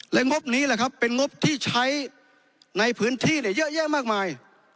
และงบนี้แหละครับเป็นงบที่ใช้ในพื้นที่เยอะแยะมากมาย